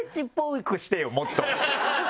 もっと。